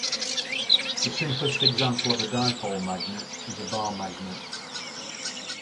The simplest example of a dipole magnet is a "bar magnet".